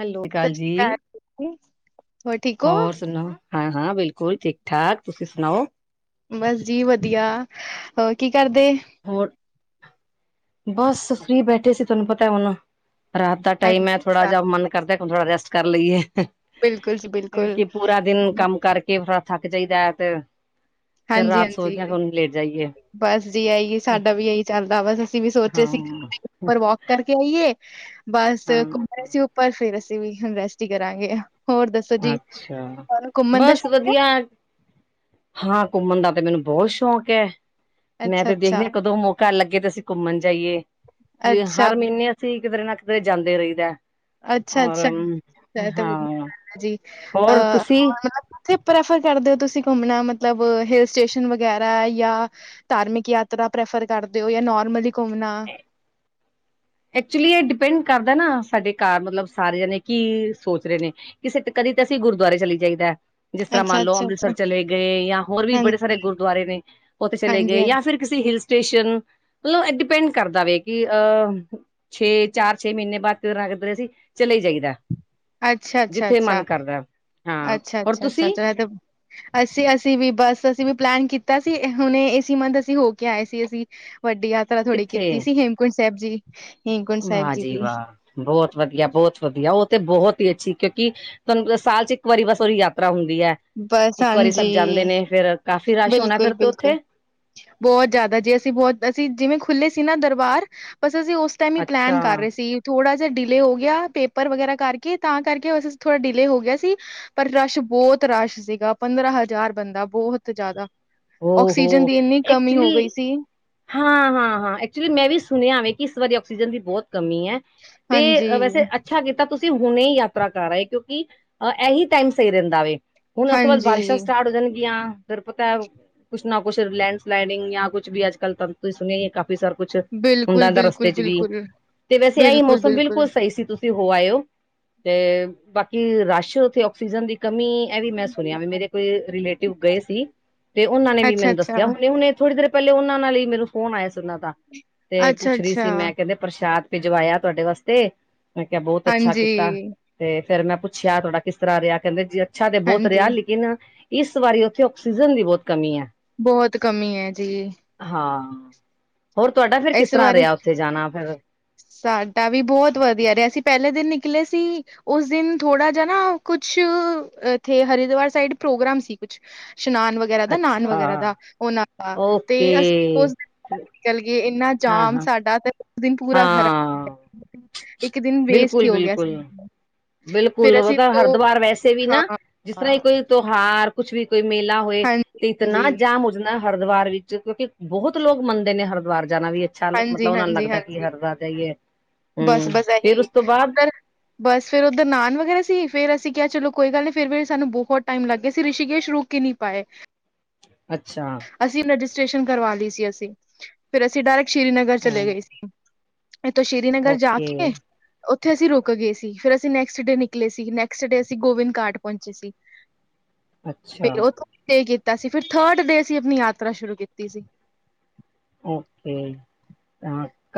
Hello Sat [unintelligible] Sri ਜੀ ਅਕਾਲ ਜੀ, ਠੀਕ ਹੋ? ਹੋਰ ਸੁਣਾਓ? ਹਾਂ, ਹਾਂ ਬਿਲਕੁਲ ਠੀਕ ਠਾਕ ਤੁਸੀਂ ਸੁਣਾਓ ਬਸ ਜੀ ਵਧੀਆ ਹੋ ਕੀ ਕਰਦੇ? ਹੋਰ ਬਸ ਫਰੀ ਬੈਠੇ ਸੀ ਤੁਹਾਨੂੰ ਪਤਾ ਹੁਣ। ਰਾਤ ਦਾ ਹਾਂਜੀ, ਟਾਈਮ ਹੈ ਥੋੜਾ ਜਿਹਾ ਮਨ ਕਰਦਾ ਥੋੜਾ ਰੈਸਟ ਕਰ ਲਈਏ। ਬਿਲਕੁਲ ਜੀ ਬਿਲਕੁਲ। ਕਿ ਪੂਰਾ ਦਿਨ ਕੰਮ ਕਰਕੇ ਥੋਣਾ ਥੱਕ ਜਾਇਦਾ ਹੈ ਤੇ ਹਾਂਜੀ ਹਾਂਜੀ। ਲੈਟ ਜਾਈਏ। ਬਸ ਜੀ ਇਹੀ ਸਾਡਾ ਵੀ ਇਹੀ ਚੱਲਦਾ ਬਸ ਅਸੀਂ ਵੀ ਸੋਚੇ ਸੀ ਹਾਂ ਉੱਪਰ ਵੋਕ ਕਰਕੇ ਆਈਏ ਬਸ ਹਾਂ ਘੁੰਮ ਰਹੇ ਸੀ ਉੱਪਰ ਫੇਰ ਅਸੀਂ ਵੀ ਹੁਣ ਰੈਸਟ ਹੀ ਕਰਾਂਗੇ। ਹੋਰ ਦੱਸੋ ਜੀ ਅੱਛਾ ਤੁਹਾਨੂੰ ਘੁੰਮਣ ਦਾ ਬਸ ਸ਼ੌਕ ਹੈ? ਵਧੀਆ ਹਾਂ ਘੁੰਮਣ ਦਾ ਤੇ ਮੈਨੂੰ ਬਹੁਤ ਸ਼ੌਕ ਹੈ। ਮੈਂ ਅੱਛਾ-ਅੱਛਾ, ਤੇ ਦੇਖਦੀ ਅੱਛਾ। ਹਾਂ ਕਦੋਂ ਮੌਕਾ ਘਰ ਲੱਗੇ ਤੇ ਅਸੀਂ ਘੁੰਮਣ ਜਾਈਏ ਵੀ ਅੱਛਾ ਹਰ ਮਹੀਨੇ ਅਸੀਂ ਕਿਧਰੇ ਨਾ ਕਿਧਰੇ ਜਾਂਦੇ ਰਹਿੰਦਾ। ਔਰ ਅੱਛਾ-ਅੱਛਾ, ਇਹ ਤਾਂ ਵਧੀਆ ਹਾਂ ਜੀ ਔਰ ਤੁਸੀਂ? ਉਥੇ ਪ੍ਰੈਫਰ ਕਰਦੇ ਹੋ ਤੁਸੀਂ ਘੁੰਮਣਾ ਮਤਲਬ ਹਿਲ ਸਟੇਸ਼ਨ ਵਗੈਰਾ ਜਾਂ ਧਾਰਮਿਕ ਯਾਤਰਾ ਪ੍ਰੈਫਰ ਕਰਦੇ ਹੋ, ਯਾ ਨੋਰਮਲੀ ਘੁੰਮਣਾ। ਐਕਚੁਲੀ ਇਹ ਡਿਪੈਂਡ ਕਰਦਾ ਨਾ, ਸਾਡੇ ਘਰ ਮਤਲਬ ਸਾਰੇ ਜਾਣੇ ਕੀ ਸੋਚ ਰਹੇ ਨੇ ਕਿਸੇ ਤੇ ਕਦੀ ਤਾਂ ਅਸੀਂ ਗੁਰਦੁਆਰੇ ਚਲੀ ਜਾਈਦਾ। ਜਿਸ ਤਰ੍ਹਾਂ ਮੰਨ ਲਓ ਅੱਛਾ-ਅੱਛਾ-ਅੱਛਾ, ਅੰਮ੍ਰਿਤਸਰ ਚਲੇ ਗਏ ਜਾਂ ਹੋਰ ਵੀ ਹਾਂਜੀ, ਬੜੇ ਸਾਰੇ ਗੁਰਦੁਆਰੇ ਨੇ ਉੱਥੇ ਚਲੇ ਹਾਂਜੀ-ਹਾਂਜੀ, ਗਏ ਜਾਂ ਫਿਰ ਕਿਸੀ ਹਿਲ ਸਟੇਸ਼ਨ ਮਤਲਬ ਡਿਪੈਂਡ ਕਰਦਾ ਵੇ ਕਿ ਅਹ ਛੇ ਚਾਰ, ਛੇ ਮਹੀਨੇ ਬਾਅਦ ਲਗਦਾ ਕਿੱਧਰ ਸੀ ਚਲੇ ਹੀ ਜਾਈਦਾ। ਅੱਛਾ, ਅੱਛਾ, ਜਿੱਥੇ ਮਨ ਕਰਦਾ ਹਾਂ ਅੱਛਾ, ਅੱਛਾ, ਹੋਰ ਅੱਛਾ, ਤੁਸੀਂ ਅੱਛਾ ਅਸੀਂ ਅਸੀਂ ਵੀ ਬਸ ਅਸੀਂ ਵੀ ਪਲੈਨ ਕੀਤਾ ਸੀ। ਹੁਣੇ ਇਹਸੀ ਮੰਥ ਅਸੀਂ ਹੋ ਕੇ ਆਏ ਸੀ। ਅਸੀਂ ਵੱਡੀ ਯਾਤਰਾ ਥੋੜ੍ਹੀ ਕਿੱਥੇ ਕੀਤੀ ਸੀ। ਹੇਮਕੁੰਟ ਸਾਹਿਬ ਜੀ ਹੇਮਕੁੰਟ ਸਾਹਿਬ ਵਾਹ ਜੀ ਦੀ। ਵਾਹ ਬਹੁਤ ਵਧੀਆ ਬਹੁਤ ਵਧੀਆ ਉਹ ਤੇ ਬਹੁਤ ਹੀ ਅੱਛੀ ਕਿਉਂਕਿ ਤੁਹਾਨੂੰ ਸਾਲ 'ਚ ਇੱਕ ਵਾਰੀ ਬਸ ਉਹ ਹੀ ਯਾਤਰਾ ਹੁੰਦੀ ਹੈ। ਬਸ ਇੱਕ ਵਾਰੀ ਸਭ ਹਾਂਜੀ, ਜਾਂਦੇ ਨੇ ਫੇਰ ਕਾਫੀ ਰਸ਼ ਹੋਣਾ ਫਿਰ ਤੇ ਬਿਲਕੁਲ-ਬਿਲਕੁਲ। ਉੱਥੇ? ਬਹੁਤ ਜ਼ਿਆਦਾ, ਜੇ ਅਸੀਂ ਬਹੁਤ ਅਸੀਂ ਜਿਵੇਂ ਖੁੱਲ੍ਹੇ ਸੀ ਨਾ ਦਰਬਾਰ, ਬੱਸ ਅਸੀਂ ਉਸ ਤਾਂ ਵੀ ਅੱਛਾ ਪਲੈਨ ਕਰ ਰਹੇ ਸੀ। ਥੋੜ੍ਹਾ ਜਿਹਾ ਡਿਲੇ ਹੋ ਗਿਆ। ਪੇਪਰ ਵਗੈਰਾ ਕਰਕੇ ਤਾਂ ਕਰਕੇ ਬੱਸ ਥੋੜ੍ਹਾ ਡਿਲੇ ਹੋ ਗਿਆ ਸੀ। ਪਰ ਰਸ਼ ਬਹੁਤ ਰਸ਼ ਸੀਗਾ ਪੰਦਰਾਂ ਹਜ਼ਾਰ ਬੰਦਾ ਬਹੁਤ ਜ਼ਿਆਦਾ ਹੋ ਆਕਸੀਜਨ ਦੀ ਇੰਨੀ ਕਮੀ ਹੋ ਗਈ ਸੀ। ਹਾਂ ਹਾਂ, ਹਾਂ ਐਕਚੁਲੀ ਮੈਂ ਵੀ ਸੁਣਿਆ ਵੇ ਕਿ ਇਸ ਵਾਰੀ ਆਕਸੀਜਨ ਦੀ ਬਹੁਤ ਕਮੀ ਹੈ। ਹਾਂਜੀ ਤੇ ਵੈਸੇ ਅ ਅੱਛਾ ਕੀਤਾ ਤੁਸੀਂ ਹੁਣੇ ਯਾਤਰਾ ਕਰ ਆਏ ਕਿਉਂਕਿ ਅਹ ਇਹੀ ਟਾਈਮ ਸਹੀ ਰਹਿੰਦਾ ਵੇ। ਹੁਣ ਉਸ ਤੋਂ ਬਾਅਦ ਬਾਰਿਸ਼ਾਂ ਹਾਂਜੀ ਸਟਾਰਟ ਹੋ ਜਾਣਗੀਆਂ ਦੁਰਪਤਾ ਕੁਛ ਨਾ ਕੁਛ ਲੈਂਡ ਸਲਾਈਡਿੰਗ ਯਾ ਕੁਛ ਵੀ ਅਜਕੱਲ ਤ ਸੁਣਿਆ ਹੈ। ਕੰਮ ਫਿਰ ਸਾਰ ਕੁੱਛ ਬਿਲਕੁਲ ਹੁੰਦਾ ਦਾ ਰਸਤੇ ਬਿਲਕੁਲ ਚ ਵੀ, ਬਿਲਕੁਲ ਤੇ ਵੈਸੇ ਆਹੀ ਮੌਸਮ ਬਿਲਕੁਲ ਸਹੀ ਸੀ ਤੁਸੀਂ ਤੁਸੀ ਹੋ ਆਏਓ ਤੇ ਬਾਕੀ ਰਸ਼ ਉੱਥੇ ਆਕਸੀਜਨ ਦੀ ਕਮੀ ਇਹ ਵੀ ਮੈਂ ਸੁਣਿਆ ਵੇ ਮੇਰੇ ਕੋਈ ਰਿਲੇਟਿਵ ਗਏ ਸੀ ਤੇ ਉਹਨਾਂ ਨੇ ਵੀ ਅੱਛਾ ਮੈਨੂੰ ਅੱਛਾ ਦੱਸਿਆ। ਹੁਣੇ ਹੁਣੇ ਥੋੜੀ ਦੇਰ ਪਹਿਲੇ ਉਹਨਾਂ ਨਾਲ ਹੀ ਮੈਨ ਫੋਨ ਆਇਆ ਸੀ ਉਹਨਾਂ ਦਾ ਤੇ ਅੱਛਾ ਪੁੱਛ ਰਹੀ ਅੱਛਾ ਸੀ, ਮੈਂ ਕਹਿੰਦੇ ਪ੍ਰਸ਼ਾਦ ਭਿਜਵਾਇਆ ਤੁਹਾਡੇ ਵਾਸਤੇ ਮੈਂ ਕਿਹਾ ਬਹੁਤ ਅੱਛਾ ਹਾਂਜੀ ਕੀਤਾ। ਤੇ ਫੇਰ ਮੈਂ ਪੁੱਛਿਆ ਤੂਹਾਡਾ ਕਿਸ ਤਰ੍ਹਾਂ ਰਿਹਾ ਕਹਿੰਦੇ ਜੀ ਅੱਛਾ ਤੇ ਬਹੁਤ ਹਾਂਜੀ ਰਿਹਾ ਲੇਕਿਨ ਇਸ ਵਾਰੀ ਉੱਥੇ ਆਕਸੀਜਨ ਦੀ ਬਹੁਤ ਕਮੀ ਹੈ। ਬਹੁਤ ਕਮੀ ਹੈ ਜੀ ਹਾਂ ਹੋਰ ਤੁਹਾਡਾ ਫੇਰ ਕਿਸ ਇਸ ਤਰ੍ਹਾਂ ਬਾਰੇ ਰਿਹਾ ਉੱਥੇ ਜਾਣਾ ਫੇਰ? ਸਾਡਾ ਵੀ ਬਹੁਤ ਵਧੀਆ ਰਿਹਾ ਅਸੀਂ ਪਹਿਲੇ ਦਿਨ ਨਿਕਲੇ ਸੀ ਉਸ ਦਿਨ ਥੋੜਾ ਜਿਹਾ ਨਾ ਕੁਛ ਇੱਥੇ ਹਰਿਦੁਵਾਰ ਸਾਈਡ ਪ੍ਰੋਗਰਾਮ ਸੀ ਕੁਛ ਇਸ਼ਨਾਨ ਵਗੈਰਾ ਦਾ ਨਹਾਨ ਵਗੈਰਾ ਅੱਛਾ ਦਾ ਉਹਨਾਂ ਦਾ ਤੇ ਓਕੇ ਅਸੀਂ ਉਸ ਦਿਨ ਨਿਕਲ ਇੰਨਾ ਹਾਂ ਜਾਮ ਹਾਂ ਸਾਡਾ ਤੇ ਉਸ ਦਿਨ ਪੂਰਾ ਹਾਂ ਖਰਾਬ ਇੱਕ ਦਿਨ ਵੇਸਟ ਹੀ ਬਿਲਕੁਲ ਹੋ ਗਿਆ ਬਿਲਕੁਲ ਸਾਡਾ। ਬਿਲਕੁਲ ਫਿਰ ਉਹ ਅਸੀਂ ਤਾਂ ਦੋ ਹਰਿਦੁਵਾਰ ਵੈਸੇ ਵੀ ਨਾ, ਹਾਂ ਜਿਸ ਤਰ੍ਹਾਂ ਹੀ ਹਾਂ ਕੋਈ ਤਿਉਹਾਰ ਕੁਛ ਵੀ ਕੋਈ ਮੇਲਾ। ਹੋਏ ਹਾਂਜੀ ਤੇ ਇਤਨਾ ਹਾਂਜੀ ਜਾਮ ਹੋ ਜਾਂਦਾ ਹਰਿਦੁਆਾਰ ਵਿੱਚ ਕਿਉਂਕਿ ਬਹੁਤ ਲੋਕ ਮੰਨਦੇ ਨੇ ਹਰਿਦੁਆਰ ਜਾਣਾ ਵੀ ਅੱਛਾ, ਮਤਲਬ ਹਾਂਜੀ ਉਹਨਾਂ ਨੂੰ ਹਾਂਜੀ ਲੱਗਦਾ ਕੀ ਹਾਂਜੀ ਹਰਦੁਆਰ ਜਾਈਏ, ਹਮ, ਬਸ-ਬਸ ਫੇਰ ਇਹੀ ਉਸ ਤੋਂ ਬਾਅਦ ਉੱਧਰ ਬਸ ਫੇਰ ਉੱਧ ਨਾਨ ਵਗੈਰਾ ਸੀ ਫੇਰ ਅਸੀਂ ਕਿਹਾ ਚਲੋ ਕੋਈ ਗੱਲ ਨਹੀਂ ਫਿਰ ਵੀ ਸਾਨੂੰ ਬਹੁਤ ਟਾਈਮ ਲੱਗ ਗਿਆ ਸੀ ਰਿਸ਼ੀਕੇਸ਼ ਰੂ ਕ ਨਹੀਂ ਪਾਏ। ਅੱਛਾ ਅਸੀਂ ਰਜਿਸਟ੍ਰੇਸ਼ਨ ਕਰਵਾ ਲਈ ਸੀ ਅਸੀਂ, ਫਿਰ ਅਸੀਂ ਡਾਇਰੈਕਟ ਸ਼੍ਰੀਨਗਰ ਚਲੇਂ ਗਏ ਸੀ। ਇਥੋਂ ਸ਼੍ਰੀਨਗਰ ਜਾ ਓਕੇ ਕੇ, ਉੱਥੇ ਅਸੀਂ ਰੁਕ ਗਏ ਸੀ ਫੇਰ ਅਸੀਂ ਨੈਕਸਟ ਡੇ ਨਿਕਲੇ ਸੀ, ਨੈਕਸਟ ਡੇ ਅਸੀਂ ਗੋਬਿੰਦ ਘਾਟ ਪਹੁੰਚੇ ਸੀ। ਅੱਛਾ ਫਿਰ ਉਥੇ ਸਟੇ ਕੀਤਾ ਸੀ, ਫਿਰ ਥਰਡ ਡੇ ਅਸੀਂ ਆਪਣੀ ਯਾਤਰਾ ਸ਼ੁਰੂ ਕੀਤੀ ਸੀ। ਓਕੇ,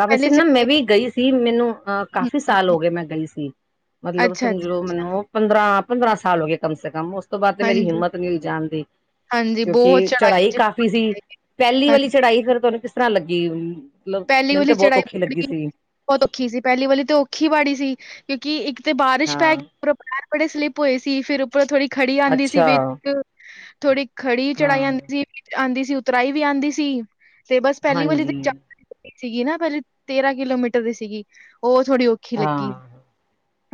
ਪਹਿਲੇ ਮੈਂ ਵੀ ਗਈ ਸੀ। ਮੈਨੂੰ, ਅਹ ਕਾਫੀ ਸਾਲ ਹੋ ਗਏ ਮੈਂ ਗਈ ਸੀ, ਮਤਲਬ ਅੱਛਾ-ਅੱਛਾ ਸਮਝੋ ਮੈਨੂੰ ਪੰਦਰਾਂ ਪੰਦਰਾਂ ਸਾਲ ਹੋ ਗਏ ਕਮ ਸੇ ਕਮ, ਉਸ ਤੋਂ ਬਾਅਦ ਤੇ ਮੇਰੀ ਹਾਂਜੀ-ਹਾਂਜੀ ਹਿੰਮਤ ਨਹੀਂ ਹੋਈ ਜਾਣ ਦੀ।। ਕਿਉਂਕਿ ਬਹੁਤ ਚੜਾਈ ਜੀ, ਕਾਫ਼ੀ ਬਹੁਤ ਸੀ, ਚੜਾਈ। ਪਹਿਲੀ ਵਾਲੀ ਹਾਂਜੀ ਚੜ੍ਹਾਈ ਫੇਰ ਤੁਹਾਨੂੰ ਕਿਸ ਤਰ੍ਹਾਂ ਲੱਗੀ? ਮਤਲਬ ਪਹਿਲੀ ਮੈਨੂੰ ਵਾਲੀ ਤਾਂ ਬਹੁਤ ਔਖੀ ਚੜਾਈ ਲੱਗੀ ਸੀ। ਬਹੁਤ ਔਖੀ ਸੀ ਪਹਿਲੀ ਵਾਲੀ ਤੇ ਔਖੀ ਬਾੜੀ ਸੀ, ਕਿਉਂਕਿ ਇੱਕ ਤੇ ਬਾਰਿਸ਼ ਪੈ ਹਾਂ ਗਈ [unintelligible] ਪੈਰ ਸਲਿਪ ਹੋਏ ਸੀ, ਫੇਰ ਉੱਪਰੋਂ ਥੋੜੀ ਖੜੀ ਆਉਂਦੀ ਸੀ ਅੱਛਾ ਵਿੱਚ ਥੋੜੀ ਖੜੀ ਹਾਂ ਚੜਾਈ ਆਉਂਦੀ ਸੀ ਆਂਦੀ ਸੀ। ਉਤਰਾਈ ਵੀ ਆਉਂਦੀ ਸੀ ਤੇ ਬਸ ਪਹਿਲੀ ਵਾਰੀ, ਹਾਂਜੀ ਸੀਗੀ ਨਾ, ਪਹਿਲੇ ਤੇਰਾਂ ਕਿਲੋਮੀਟਰ ਦੀ ਸੀਗੀ ਉਹ ਥੋੜ੍ਹੀ। ਔਖੀ ਲੱਗੀ ਹਾਂ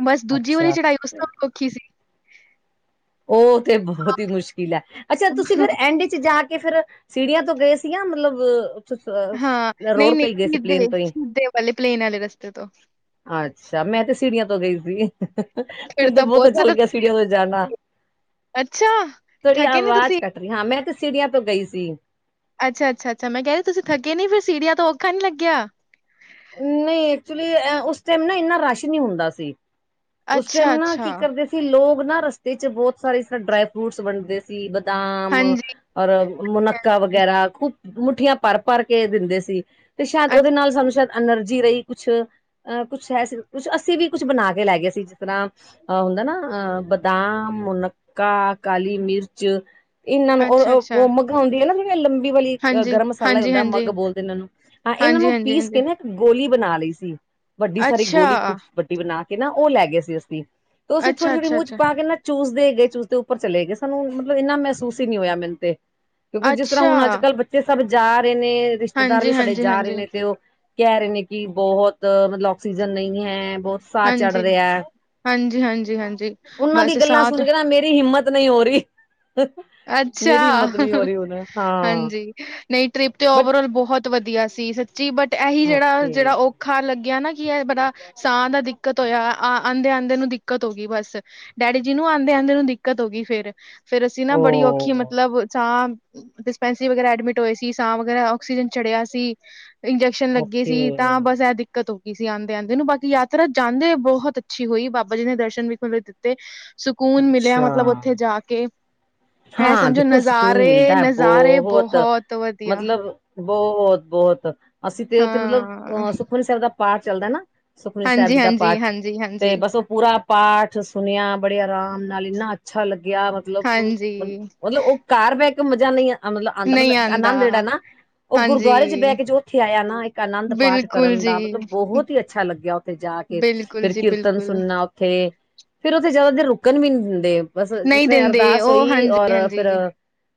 ਬਸ ਦੂਜੀ ਵਾਲੀ ਅੱਛਾ ਚੜਾਈ ਉਸ ਤੋਂ ਔਖੀ ਸੀ ਉਹ ਤੇ ਬਹੁਤ ਹੀ ਮੁਸ਼ਕਿਲ ਹੈ ਅੱਛਾ, ਤੁਸੀਂ ਫੇਰ ਐਂਡ ਚ ਜਾ ਕੇ ਕੇ ਫੇਰ ਸੀੜੀਆਂ ਤੋਂ ਗਏ ਸੀ ਯਾ ਮਤਲਬ ਹਾਂ, ਨਹੀਂ ਰੋਡ ਨਹੀਂ ਤੋਂ ਹੀ ਗਏ ਸੀ ਪਲੇਨ ਤੋਂ ਹੀ ਸਿਧੇ ਵਾਲੇ ਪਲੇਨ ਵਾਲੇ ਰਸਤੇ ਤੋਂ, ਅੱਛਾ, ਮੈਂ ਤੇ ਸੀੜੀਆਂ ਤੋਂ ਗਈ ਸੀ ਫਿਰ ਮੈਨੂੰ ਤਾਂ ਬਹੁਤ ਅੱਛਾ ਜ਼ਿਆਦਾ ਲੱਗਿਆ ਥੱਕੇ। ਸੀੜੀਆਂ ਤੋਂ ਜਾਣਾ। ਅੱਛਾ ਤੁਹਾਰੀ ਥਕੇ ਨੀ ਆਵਾਜ਼ ਤੁਸੀਂ ਕੱਟ ਰਹੀ ਹਾਂ। ਮੈਂ ਤੇ ਸਿੜੀਆਂ ਤੋਂ ਗਈ ਸੀ। ਅੱਛਾ ਅੱਛਾ ਅੱਛਾ, ਮੈਂ ਕ ਰਹੀ ਤੁਸੀਂ ਥੱਕੇ ਨੀ ਫੇਰ ਸੀੜੀਆਂ ਤੋਂ ਔਖਾ ਨੀ ਲੱਗਿਆ ਨਹੀਂ ਐਕਚੁਲੀ ਉਸ ਟਾਈਮ ਨਾ ਇੰਨਾ ਰਸ਼ ਨਹੀਂ ਹੁੰਦਾ ਸੀ। ਉਸ ਟਾਈਮ ਨਾ ਅੱਛਾ-ਅੱਛਾ, ਕੀ ਕਰਦੇ ਲੋਕ ਨਾ ਰਸਤੇ ਚ ਬਹੁਤ ਸਾਰੇ ਇਸ ਤਰ੍ਹਾਂ ਡਰਾਈ ਫਰੂਟਸ ਵੰਡਦੇ ਸੀ ਬਦਾਮ ਔਰ ਮੁਨੱਕਾਂ ਹਾਂਜੀ-ਹਾਂਜੀ, ਵਗੈਰਾ ਖੂਬ ਮੁੱਠੀਆਂ ਭਰ ਭਰ ਕੇ ਦਿੰਦੇ ਸੀ। ਤੇ ਸ਼ਾਇਦ ਉਹਦੇ ਅੱਛਾ, ਨਾਲ ਸਾਨੂੰ ਸ਼ਾਇਦ ਐਨਰਜੀ ਰਹੀ ਕੁਛ, ਅ ਕੁਛ ਹੈ ਸੀ ਕੁਛ ਅਸੀਂ ਵੀ ਕੁਛ ਬਣਾ ਕੇ ਲੈ ਗਏ ਸੀ ਜਿਸ ਤਰ੍ਹਾਂ ਅਹ ਹੁੰਦਾ ਨਾ ਅਹ ਬਦਾਮ, ਮੂਨਕਾਂ, ਕਾਲੀ ਮਿਰਚ ਇਹਨਾਂ ਨੂੰ ਅੱਛਾ-ਅੱਛਾ, ਆਉਂਦੀ ਹੈ ਨਾ ਲੰਬੀ ਵਾਲੀ ਅਹ ਹਾਂਜੀ, ਗਰਮ ਮਸਾਲਾ ਹੀ ਹੁੰਦਾ ਹਾਂਜੀ-ਹਾਂਜੀ, ਮੱਗ ਬੋਲਦੇ ਇਹਨਾਂ ਨੂੰ, ਹਾਂ ਇਹਨਾਂ ਨੂੰ ਹਾਂਜੀ-ਹਾਂਜੀ, ਪੀਸ ਕੇ ਹਾਂਜੀ, ਨਾ ਗੋਲੀ ਬਣਾ ਲਈ ਸੀ। ਵੱਡੀ ਸਾਰੀ ਅੱਛਾ, ਗੋਲੀ ਖੂਬ ਵੱਡੀ ਬਣਾ ਕੇ ਨਾ ਉਹ ਲੈ ਗਏ ਸੀ। ਅਸੀਂ ਉਹਸੀਂ ਥੋੜੀ ਅੱਛਾ-ਅੱਛਾ, ਥੋੜੀ ਮੂੰਹ ਚ ਅੱਛਾ, ਪਾਕੇ ਨਾ ਚੂਸਦੇ ਗਏ ਚੂਸਦੇ ਉੱਪਰ ਚਲੇ ਗਏ ਸਾਨੂੰ ਮਤਲਬ ਇੰਨਾ ਮਹਿਸੂਸ ਹੀ ਨਹੀਂ ਹੋਇਆ ਮੈਨੂੰ ਤੇ। ਕਿਉਂਕਿ ਜਿਸ ਤਰ੍ਹਾਂ ਹੁਣ ਅੱਜ ਅੱਛਾ, ਕੱਲ੍ਹ ਬੱਚੇ ਸਭ ਜਾ ਰਹੇ ਨੇ, ਰਿਸ਼ਤੇਦਾਰ ਹਾਂਜੀ, ਵੀ ਸਾਡੇ ਹਾਂਜੀ, ਜਾ ਰਹੇ ਹਾਂਜੀ, ਨੇ ਤੇ ਉਹ ਕਹਿ ਰਹੇ ਨੇ, ਕਿ ਬਹੁਤ ਮਤਲਬ ਆਕਸੀਜਨ ਨਹੀਂ ਹੈ। ਬਹੁਤ ਸਾਹ ਚੜ ਹਾਂਜੀ, ਰਿਹਾ ਹੈ ਹਾਂਜੀ, ਹਾਂਜੀ, ਹਾਂਜੀ, ਉਹਨਾਂ ਦੀ ਬਸ ਗੱਲਾਂ ਸਾਥ ਸੁਣ ਕੇ ਨਾ ਮੇਰੀ ਹਿੰਮਤ ਨਹੀਂ ਹੋ ਰਹੀ, ਅੱਛਾ। ਮੇਰੀ ਹਿੰਮਤ ਨਹੀਂ ਹੋ ਰਹੀ ਹੁਨ ਹਾਂ। ਹਾਂਜੀ, ਨਹੀਂ ਟ੍ਰਿਪ ਤੇ ਬਟ ਓਵਰ ਆਲ ਬਹੁਤ ਵਧੀਆ ਸੀ, ਸੱਚੀ ਬਟ ਇਹੀ ਜਿਹੜਾ ਜਿਹੜਾ ਓਕੇ ਉਹ ਔਖਾ ਲੱਗਿਆ ਨਾ, ਕਿ ਇਹ ਬੜਾ ਸਾਹ ਦਾ ਦਿੱਕਤ ਹੋਇਆ ਆ ਆਉਂਦੇ ਆਉਂਦੇ ਨੂੰ ਦਿੱਕਤ ਹੋ ਗਈ ਬਸ ਡੈਡੀ ਜੀ ਨੂੰ ਆਉਂਦੇ ਆਉਂਦੇ ਨੂੰ ਦਿੱਕਤ ਹੋ ਗਈ ਫੇਰ, ਫੇਰ ਅਸੀਂ ਨਾ ਓ ਬੜੀ ਔਖੀ ਮਤਲਬ ਡਿਸਪੈਂਸਰੀ ਵਗੈਰਾ ਐਡਮਿਟ ਹੋਏ ਸੀ, ਸਾਂ ਵਗ਼ੈਰਾ ਆਕਸੀਜਨ ਚੜਿਆ ਸੀ। ਇੰਜੈਕਸ਼ਨ ਲੱਗੇ ਓਕੇ ਸੀ ਤਾਂ ਬਸ ਇਹ ਦਿੱਕਤ ਹੋ ਗਈ ਸੀ ਆਉਂਦੇ ਆਉਂਦੇ ਨੂੰ, ਬਾਕੀ ਯਾਤਰਾ ਜਾਂਦੇ ਬਹੁਤ ਅੱਛੀ ਹੋਈ ਬਾਬਾ ਜੀ ਨੇ ਦਰਸ਼ਨ ਵੀ ਤੇ ਸਕੂਨ ਮਿਲਿਆ ਮਤਲਬ ਅੱਛਾ ਉੱਥੇ ਜਾ ਕੇ। ਇਹ ਹਾਂ ਸਮਝੋ ਦੇਖੋ ਸਕੂਨ ਨਜ਼ਾਰੇ ਮਿਲਦਾ ਹੈ ਨਜ਼ਾਰੇ ਬਹੁਤ, ਵਧੀਆ ਮਤਲਬ ਬਹੁਤ ਬਹੁਤ ਅਸੀਂ ਤੇ ਉੱਥੇ ਮਤਲਬ ਹਾਂ ੳਹ ਸੁਖਮਨੀ ਸਾਹਿਬ ਦਾ ਪਾਠ ਚੱਲਦਾ ਨਾ ਸੁਖਮਨੀ ਸਾਹਿਬ ਹਾਂਜੀ ਜੀ ਦਾ ਹਾਂਜੀ ਪਾਠ, ਹਾਂਜੀ ਹਾਂਜੀ ਤੇ ਬਸ ਉਹ ਪੂਰਾ ਪਾਠ ਸੁਣਿਆ ਬੜੇ ਆਰਾਮ ਨਾਲ ਇੰਨਾ ਅੱਛਾ ਲੱਗਿਆ ਮਤਲਬ ਹਾਂਜੀ ਮਤਲਬ ਉਹ ਘਰ ਬਹਿ ਕੇ ਮਜ਼ਾ ਨਹੀਂ ਮਤਲਬ ਆਉਂਦਾ ਮਤਲਬ ਆਨੰਦ ਜਿਹੜਾ ਨਾ ਉਹ ਗੁਰਦੁਆਰੇ ਚ ਬਹਿ ਹਾਂਜੀ ਕੇ ਜੋ ਉੱਥੇ ਆਇਆ ਨਾ ਇੱਕ ਆਨੰਦ ਪਾਠ ਬਿਲਕੁਲ ਕਰਨ ਜੀ ਦਾ, ਮਤਲਬ ਬਹੁਤ ਹੀ ਅੱਛਾ ਲੱਗਿਆ ਉੱਥੇ ਜਾ ਕੇ। ਬਿਲਕੁਲ ਫੇਰ ਜੀ ਕੀਰਤਨ ਬਿਲਕੁਲ ਸੁਣਨਾ ਥੇ ਫੇਰ ਓਥੇ ਜ਼ਿਆਦਾ ਦੇਰ ਰੁਕਣ ਵੀ ਨੀ ਦਿੰਦੇ, ਬਸ ਨਹੀਂ ਜਿਸਤਾਂ ਈਂ ਦਿੰਦੇ ਅਰਦਾਸ ਉਹ ਪਈ ਔਰ ਹਾਂਜੀ ਫਿਰ ਹਾਂਜੀ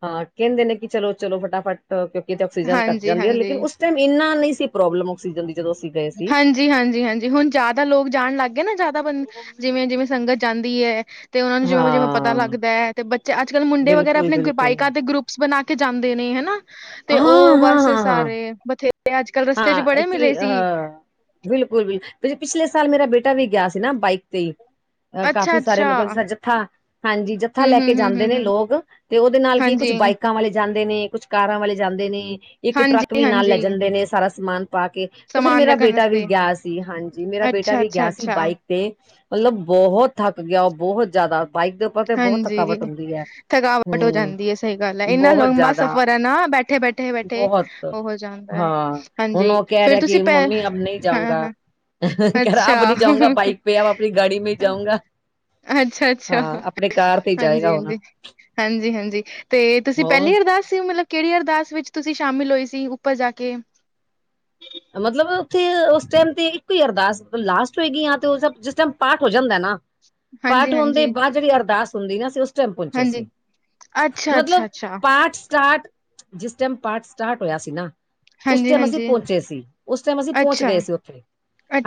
ਹਾਂ, ਕਹਿੰਦੇ ਨੇ ਕਿ ਚਲੋ-ਚਲੋ ਫਟਾਫਟ, ਕਿਉਂਕਿ ਤੇ ਆਕਸੀਜਨ ਘੱਟ ਹਾਂਜੀ ਜਾਂਦੀ ਏ, ਹਾਂਜੀ ਲੇਕਿਨ ਉਸ ਟਮ ਇੰਨਾ ਨਹੀਂ ਸੀ ਪ੍ਰੋਬਲਮ ਔਕਸੀਜਨ ਦੀ ਜਦੋਂ ਅਸੀਂ ਗਏ ਸੀ ਜੀ ਹਾਂਜੀ-ਹਾਂਜੀ, ਹੁਣ ਜਿਆਦਾ ਲੋਕ ਜਾਣ ਲੱਗ ਗਏ ਨਾ ਜਿਆਦਾ ਬੰ, ਜਿਵੇਂ ਜਿਵੇਂ ਸੰਗਤ ਜਾਂਦੀ ਐ। ਤੇ ਓਨਾਂ ਨੂੰ ਜਿਵੇਂ ਜਿਵੇਂ ਪਤਾ ਹਾਂ ਲੱਗਦੈ ਤੇ ਬੱਚੇ ਅੱਜ ਕੱਲ੍ਹ ਮੁੰਡੇ ਵਗੈਰਾ ਬਿਲਕੁਲ ਆਪਣੇ ਗ ਬਿਲਕੁਲ ਬਾਇਕਾਂ ਤੇ ਗਰੁਪ ਸ ਬਣਾ ਕੇ ਜਾਂਦੇ ਨੇ ਹੈਨਾ, ਤੇ ਉਹ ਬਸ ਸਾਰੇ ਬਥੇ। ਤੇ ਅੱਜ ਕੱਲ ਰਸਤੇ ਚ ਬੜੇ ਮਿਲੇ ਸ ਅ, ਬਿਲਕੁਲ ਬਿਲ, ਵੀੇ ਪਿਛਲੇ ਸਾਲ ਮੇਰਾ ਬੇਟਾ ਵੀ ਗਿਆ ਸੀ ਨਾ ਬਾਈਕ ਤੇਈ ਅਹ ਕਾਫੀ ਸਾਰੇ ਅੱਛਾ-ਅੱਛਾ, ਮਤਲਬ [unintelligible] ਜੱਥਾ ਹਾਂਜੀ, ਜੱਥਾ ਲੈ ਕੇ ਜਾਂਦੇ ਨੇ ਹੂੰ-ਹੂੰ-ਹੂੰ-ਹੂੰ-ਹੂੰ, ਲੋਗ ਤੇ ਉਹਦੇ ਨਾਲ ਕੀ ਕੁਛ ਹਾਂਜੀ। ਬਾਈਕਾਂ ਵਾਲੇ ਜਾਂਦੇ ਨੇ, ਕੁਛ ਕਾਰਾਂ ਵਾਲੇ ਜਾਂਦੇ ਨੇ, ਇੱਕ ਟਰੱਕ ਵੀ ਨਾਲ ਲੈ ਹਾਂਜੀ-ਹਾਂਜੀ, ਜਾਂਦੇ ਨੇ ਸਾਰਾ ਸਮਾਨ ਪਾ ਕੇ। ਤੇ ਫੇਰ ਸਮਾਨ ਮੇਰਾ ਰੱਖਣ ਬੇਟਾ ਵੀ ਵਾਸਤੇ ਗਿਆ ਸੀ, ਹਾਂਜੀ, ਮੇਰਾ ਬੇਟਾ ਵੀ ਗਿਆ ਸੀ ਅੱਛਾ-ਅੱਛਾ-ਅੱਛਾ, ਬਾਈਕ ਤੇ ਮਲਬ ਬੋਹਤ ਥੱਕ ਗਿਆ, ਬੋਹਤ ਜਿਆਦਾ ਬਾਈਕ ਦ ਓਤੇ ਬੋਹਤ ਹਾਂਜੀ। ਥਕਾਵਟ ਹੁੰਦੀ ਐ, ਥਕਾਵਟ ਹੋ ਹੂੰ, ਜਾਂਦੀ ਏ ਸਹੀ ਗੱਲ ਐ ਇੰਨਾ ਬੋਹਤ ਲੰਬਾ ਜ਼ਿਆਦਾ। ਸਫ਼ਰ ਐ ਨਾ ਬੈਠੇ-ਬੈਠੇ-ਬੈਠੇ ਬਹੁਤ, ਉਹ ਹੋ ਜਾਂਦਾ ਐ, ਹਾਂ ਹੁਣ ਹਾਂਜੀ ਓ ਕਿਅ ਫੇਰ ਰਿਹਾ ਤੁਸੀਂ ਕਿ, ਪੈ ਮੰਮੀ ਅਭ ਨਹੀਂ ਜਾਊਂਗਾ। ਹਾਂ-ਹਾਂ, ਅ ਹੰਹੰ, ਕਹਿ ਰਾ ਅੱਛਾ। ਅਬ ਨਹੀਂ ਜਾਉਂਗਾ ਬਾਈਕ ਪੇ, ਅ ਅਪਣੀ ਗਾੜੀ ਮੇਂ ਜਾਊਂਗਾ। ਅੱਛਾ-ਅੱਛਾ, ਤੇ ਹੀ ਜਾਏਗਾ ਹੁਣ, ਹਾਂਜੀ-ਹਾਂਜੀ, ਹਾਂਜੀ-ਹਾਂਜੀ, ਤੇ ਤੁਸੀਂ ਹੋਰ ਪਹਿਲੀ ਵਾਰ ਸੀ, ਮਲਬ ਕਿਹੜੀ ਅਰਦਾਸ ਵਿੱਚ ਤੁਸੀਂ ਸ਼ਾਮਿਲ ਹੋਏ ਸੀ ਉੱਪਰ ਜਾ ਕੇ। ਮਤਲਬ, ਉੱਥੇ ਉਸ ਟੈਮ ਤੇ ਇੱਕੋ ਈ ਅਰਦਾਸ ਲਾਸਟ ਹੋਏਗੀ ਆਂਤੋ [unintelligible] ਜਿਸ ਟਾਈਮ ਪਾਠ ਹੋ ਜਾਂਦੈ ਨਾ। ਪਾਠ ਹੋਣ ਦੇ ਹਾਂਜੀ-ਹਾਂਜੀ, ਬਾਅਦ ਜਿਹੜੀ ਅਰਦਾਸ ਹੁੰਦੀ ਆਂ ਅਸੀ ਉਸ ਟਾਇਮ ਪਹੁੰਚੇ ਸੀ, ਹਾਂਜੀ, ਮਤਲਬ ਅੱਛਾ-ਅੱਛਾ-ਅੱਛਾ, ਪਾਠ ਸਟਾਰਟ ਜਿਸ ਟਾਈਮ ਪਾਠ ਸਟਾਰਟ ਹੋਇਆ ਸੀ ਨਾ ਹਾਂਜੀ-ਹਾਂਜੀ। ਚੇਸੀ, ਉਸ ਟੈਂਮ ਅਸੀਂ ਪਹੁੰਚ ਗਏ ਅੱਛਾ। ਸੀ ਓਥੇ,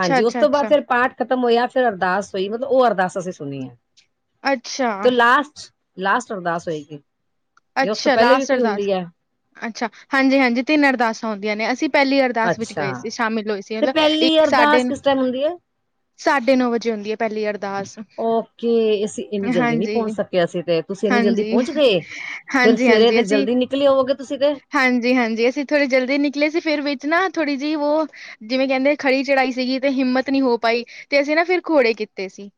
ਹਾਂਜੀ, ਉਸਤੋਂ ਬਾਅਦ ਫੇਰ ਪਾਠ ਖਤਮ ਹੋਇਆ, ਫੇਰ ਅਰਦਾਸ ਹੋਈ, ਮਤਲਬ ਓ ਅਰਦਾਸ ਅਸੀਂ ਸੁਨੀ ਐ, ਅੱਛਾ, ਤੇ ਅੱਛਾ ਅੱਛਾ ਅੱਛਾ ਲਾਸਟ ਲਾਸਟ ਅਰਦਾਸ ਹੋਏਗੀ ਅੱਛਾ ਯਾ ਉਸ ਤੋਂ ਅੱਛਾ ਪਹਿਲੇ ਵੀ ਲਾਸਟ ਕੋਈ ਅਰਦਾਸ ਹੁੰਦੀ ਐ? ਅੱਛਾ, ਹਾਂਜੀ-ਹਾਂਜੀ, ਤਿੰਨ ਅਰਦਾਸਾਂ ਹੁੰਦੀਆਂ ਨੇ ਅਸੀਂ ਪਹਿਲੀ ਅਰਦਾਸ ਵਿੱਚ ਅੱਛਾ ਗਏ ਸੀ, ਸ਼ਾਮਿਲ ਹੋਏ ਸੀ, ਅਲ ਇੱਕ ਸਾਡੇ ਨ ਹੁੰਦੀਂ ਏ। ਸਾਡੇ ਨੌ ਵਜੇ ਹੁੰਦੀ ਏ ਪਹਿਲੀ ਅਰਦਾਸ। ਓਕੇ, ਅਸੀਂ ਏਨੀ ਜਲਦੀ ਨੲੀਂ ਪਹੁੰਚ ਹਾਂਜੀ। ਸਕੇ ਅਸੀਂ ਤੇ, ਤੁਸੀਂ ਏਨੀਂ ਜਲਦੀ ਹਾਂਜੀ, ਪਹੁੰਚ ਗਏ। ਫੇਰ ਸਵੇਰੇ ਹਾਂਜੀ-ਹਾਂਜੀ ਤੇ ਅਸੀਂ ਜਲਦੀ ਨਿਕਲੀ ਓਔਗੇ ਤੁਸੀਂ ਤੇ। ਹਾਂਜੀ-ਹਾਂਜੀ, ਅਸੀਂ ਥੋੜੇ ਜਲਦੀ ਨਿਕਲੇ ਸੀ, ਫੇਰ ਵਿੱਚ ਨਾ ਥੋੜ੍ਹੀ ਜੀ ਵੋ ਜਿਵੇਂ ਕਹਿੰਦੇ ਖੜੀ ਚੜਾਈ ਸੀਗੀ ਤੇ ਹਿੰਮਤ ਨੀ ਹੋ ਪਾਈ ਤੇ ਅਸੀਂ ਨਾ ਫਿਰ ਖੌੜੇ ਕੀਤੇ ਸੀ,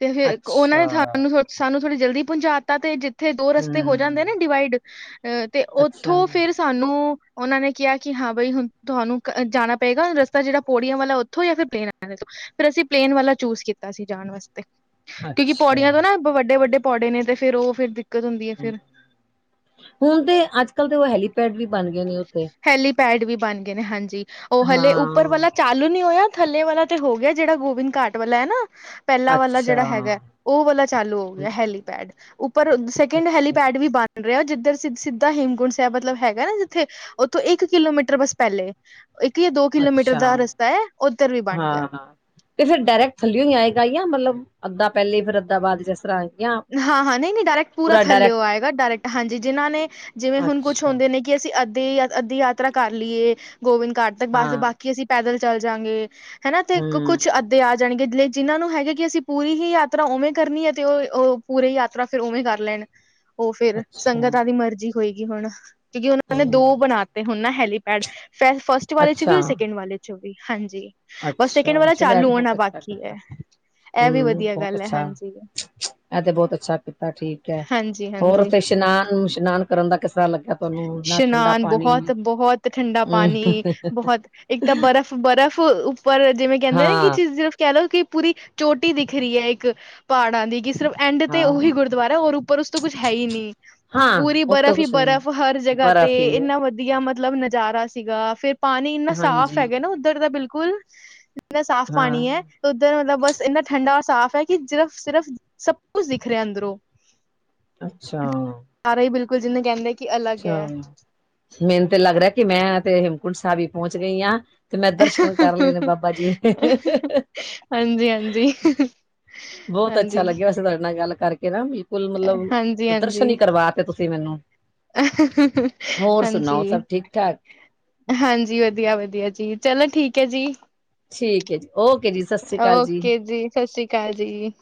ਤੇ ਫਿਰ ਕੋ ਉਹਨਾਂ ਨੇ ਅੱਛਾ ਸਾਨੂੰ ਸਾਨੂੰ ਥੋੜੀ ਜਲਦੀ ਪਹੁੰਚਾ ਤਾ, ਤੇ ਥੇ ਦੋ ਰਸਤੇ ਹੋ ਹਮ ਜਾਂਦੇ ਨੇ ਡਿਵਾਈਡ, ਅਅ ਤੇ ਅੱਛਾ ਓਥੋਂ ਫਿਰ ਸ ਸਾਨੂੰ ਉਹਨਾਂ ਨੇ ਕਿਹਾ, ਕਿ ਹਾਂ ਬਈ ਹੁਣ ਤੁਹਾਨੂੰ ਕਅ ਜਾਣਾ ਪਏਗਾ, ਰਸਤਾ ਜਿਹੜਾ ਪੌੜੀਆਂ ਵਾਲਾ ਥੋਂ ਜਾਂ ਫਿਰ ਪਲੇਨ ਆਲੇ ਤੋਂ, ਫਿਰ ਅਸੀਂ ਪਲੇਨ ਵਾਲਾ ਚੂਜ਼ ਕੀਤਾ ਸੀ ਜਾਣ ਵਾਸਤੇ, ਕਿ ਅੱਛਾ ਪੌੜੀਆਂ ਤੋਂ ਨਾ ਹਮ, ਵੱਡੇ-ਵੱਡੇ ਪੌੜੇ ਨੇ ਤੇ ਫ਼ਿਰ ਉਹ ਫੇਰ ਦਿੱਕਤ ਹੁੰਦੀ ਹੈ ਫਿਰ। ਹੁਣ ਤੇ ਅੱਜ ਕੱਲ੍ਹ ਤ ਓ ਹੈਲੀਪੈਡ ਵੀ ਬਣ ਗੇ ਨੇ ਓਤੇ। ਹੈਲੀਪੈਡ ਵੀ ਬਣ ਗਏ ਨੇ ਹਾਂਜੀ, ਓ ਹਲੇ ਉੱਪਰ ਵਾਲਾ ਹਾਂ ਚਾਲੂ ਨੀ ਹੋਇਆ, ਥੱਲੇ ਵਾਲਾ ਤੇ ਹੋ ਗਿਐ ਜਿਹੜਾ ਗੋਬਿੰਦ ਘਾਟ ਵਾਲਾ ਐ ਨਾ। ਪਹਿਲਾ ਵਾਲਾ ਅੱਛਾ ਜਿਹੜਾ ਹੈਗੈ, ਉਹ ਵਾਲਾ ਚਾਲੂ ਹੋ ਹਮ, ਗਿਐ ਹੈਲੀਪੈਡ। ਉੱਪਰ ਸੈਕਿੰਡ ਅੱਛਾ ਹੈਲੀਪੈਡ ਵੀ ਬਣ ਰਿਐ, ਜਿੱਧਰ ਸਿੱਧ ਸਿੱਧਾ ਹੇਮਕੁੰਟ ਸੈਬ ਮਤਲਬ ਹੈਗੈ ਥੇ ਉੱਥੋਂ ਇੱਕ ਕਿਲੋਮੀਟਰ ਬਸ ਪਹਿਲੇ। ਇੱਕ ਯਾ ਦੋ ਕਿਲੋਮੀਟਰ ਦਾ ਅੱਛਾ ਰਸਤਾ ਐ, ਉੱਧਰ ਵੀ ਬਣ ਗਿਆ। ਹਾਂ ਤੇ ਫਿਰ ਡਾਇਰੈਕ ਥੱਲੇਓ ਈ ਆਏ ਗਾ ਜਾਂ ਮਤਲਬ ਅੱਧਾ ਪਹਿਲੇ ਫਿਰ ਅੱਧਾ ਬਾਦ ਜ ਏਸ ਤਰ੍ਹਾਂ ਜਾਂ ਹਾਂ-ਹਾਂ ਨਹੀਂ-ਨਹੀਂ ਡਾਇਰੈਕਟ ਪੂਰਾ ਥੱਲੇਉ ਆਏਗਾ ਡਾਇਰੈਕਟ ਹਾਂਜੀ ਜਿਹਨਾਂ ਨੇ ਜਿਵੇਂ ਹੁਣ ਕੁਛ ਅੱਛਾ ਹੁੰਦੇ ਨੇ। ਕਿ ਅਸੀਂ ਅੱਧੇ ਅੱਧੀ ਯਾਤਰਾ ਕਰ ਲਈਏ ਗੋਬਿੰਦ ਘਾਟ ਤੱਕ ਬਸ ਹਾਂ ਬਾਕ ਕੀ ਅਸੀਂ ਪੈਦਲ ਚੱਲ ਜਾਂਗੇ ਹਨਾ ਤੇ ਹੂੰ ਕੁੱਛ ਅ ਦੇ ਆ ਜਾਣਗੇ ਜਿਹਨਾਂ ਨੂੰ ਹੈਗਾ ਕਿ ਅਸੀਂ ਪੂਰੀ ਹੀ ਯਾਤਰਾ ਉਵੇਂ ਕਰਨੀ ਹੈ ਅਤੇ ਉਹ-ਉਹ ਪੂਰੇ ਯਾਤਰਾ ਫਿਰ ਉਵੇਂ ਕਰ ਲੈਣ ਉਹ ਫਿਰ ਅੱਛਾ ਸੰਗਤਾਂ ਦੀ ਮਰਜ਼ੀ ਹੋਏਗੀ ਹੁਣ ਕਿਉਂਕਿ ਉਹਨਾਂ ਨੇ ਦੋ ਹੂੰ ਬਣਾਤੇ ਹੁਣ ਨਾ ਹੈਲੀਪੈਡ ਫ ਫਸਟ ਵਾਲੇ 'ਚ ਅੱਛਾ ਵੀ ਸੈਕਿੰਡ ਵਾਲੇ ਵੀ ਹਾਂਜੀ। ਬਸ ਸੈਕਿੰਡ ਅੱਛਾ ਵਾਲਾ ਚਲੋ ਇਹ ਚਾਲੂ ਤੇ ਹੋਣਾ ਬਹੁਤ ਅੱਛਾ ਬਾਕੀ ਹੈ ਕੀਤਾ ਇਹ ਵੀ ਹੂੰ ਵਧੀਆ ਬਹੁਤ ਗੱਲ ਹੈ ਅੱਛਾ ਹਾਂਜੀ। [inaudible] ਇਹ ਤੇ ਬਹੁਤ ਅੱਛਾ ਕੀਤਾ ਠੀਕ ਹੈ ਹੋਰ ਹਾਂਜੀ-ਹਾਂਜੀ ਉਥੇ ਇਸ਼ਨਾਨ ਵਿਸ਼ਨਾਨ ਕਰਨ ਦਾ ਕਿਸ ਤਰ੍ਹਾਂ ਲੱਗ। ਇਸ਼ਨਾਨ ਬਹੁਤ-ਬਹੁਤ ਠੰਡਾ ਹੂੰ ਪਾਣੀ ਬਹੁਤ ਇੱਕ ਤਾਂ ਬਰਫ਼ ਬਰਫ਼ ਉਪਰ ਜਿਵੇਂ ਕਹਿੰਦੇ ਨਾ ਕਿ ਹਾਂ ਚੀਜ਼ ਕਹਿ ਲਓ ਕਿ ਪੂਰੀ ਚੋਟੀ ਦਿੱਖ ਰਹੀ ਹੈ ਇੱਕ ਪਹਾੜਾਂ ਦੀ ਕਿ ਸਿਰਫ ਐਂਡ ਤੇ ਹਾਂ ਉਹੀ ਗੁਰਦੁਆਰਾ ਔਰ ਉਪਰ ਉਸ ਤੋਂ ਕੁਛ ਹੈ ਹੀ ਨੀ ਹਾਂ ਪੂਰੀ ਉਹ ਤਾਂ ਬਰਫ਼ ਹੀ ਕੁਛ ਨੀ ਹੈ, ਬਰਫ਼ ਹਰ ਜਗ੍ਹਾ ਤੇ ਬਰਫ਼ ਹੀ ਹੈ ਇੰਨਾ ਵਧੀਆ ਮਤਲਬ ਨਜ਼ਾਰਾ ਸੀਗਾ ਫਿਰ ਪਾਣੀ ਇੰਨਾ ਸਾਫ਼ ਹਾਂਜੀ ਹੈਗਾ ਨਾ ਉਧਰ ਦਾ ਬਿਲਕੁਲ ਇਨਾ ਸਾਫ਼ ਹਾਂ ਪਾਣੀ ਹੈ। ਉਧਰ ਮਤਲਬ ਬਸ ਇੰਨਾ ਠੰਡਾ ਔਰ ਸਾਫ ਹੈ ਕਿ ਸਿਰਫ਼- ਸਿਰਫ਼ ਸਭ ਕੁਝ ਦਿੱਖ ਰਿਹਾ ਅੰਦਰੋਂ [inaudible] ਅੱਛਾ ਅਰੇ ਬਿਲਕੁਲ ਜਿਨੇ ਕਹਿੰਦੇ। ਕਿ ਅਲੱਗ ਅੱਛਾ ਹੈ ਮੈਨੂੰ ਤੇ ਲੱਗਦਾ ਕਿ ਮੈਂ ਤੇ ਹੇਮਕੁੰਟ ਸਾਹਿਬ ਹੀ ਪਹੁੰਚ ਗਈ ਆਂ। ਤੇ ਮੈਂ ਦਰਸ਼ਨ ਕਰ ਲੈ ਨੇ ਬਾਬਾ ਜੀ ਦੇ [inaudible] ਹਾਂਜੀ ਹਾਂਜੀ ਬਹੁਤ ਅੱਛਾ ਹਾਂਜੀ, ਲੱਗਿਆ ਵੈਸੇ ਤੁਹਾਡੇ ਨਾਲ ਗੱਲ ਕਰਕੇ ਨਾ ਬਿਲਕੁਲ ਮਤਲਬ ਹਾਂਜੀ, ਦਰਸ਼ਨ ਹਾਂਜੀ, ਹੀ ਕਰਵਾ ਤੇ ਤੁਸੀਂ ਮੈਨੂੰ [inaudible] ਹੋਰ ਸੁਣਾਓ ਹਾਂਜੀ ਸਭ ਠੀਕ ਠਾਕ ਹਾਂਜੀ ਵਧੀਆ-ਵਧੀਆ ਜੀ ਚਲੋ ਠੀਕ ਹੈ ਜੀ। ਠੀਕ ਜੀ ਓਕੇ ਜੀ। ਸਤਿ ਸ੍ਰੀ ਅਕਾਲ ਓਕੇ ਜੀ ਸਤਿ ਸ਼੍ਰੀ ਅਕਾਲ ਜੀ।